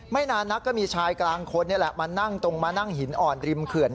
นานนักก็มีชายกลางคนนี่แหละมานั่งตรงมานั่งหินอ่อนริมเขื่อน